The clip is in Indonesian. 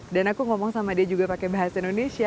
aku ngomong sama dia juga pakai bahasa indonesia